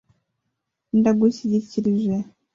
ndagushyikirije